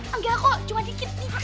enggak kok cuma dikit dikit dong